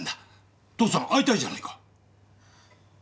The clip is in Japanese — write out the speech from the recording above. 父さん会いたいじゃないか。